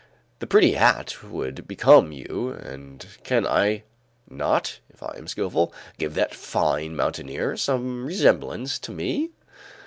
The pretty hat would become you and can I not, if I am skilful, give that fine mountaineer some resemblance to me?"